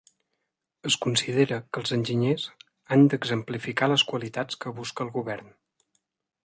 Es considera que els enginyers han d'exemplificar les qualitats que busca el govern.